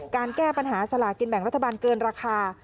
แก้ปัญหาสลากินแบ่งรัฐบาลเกินราคา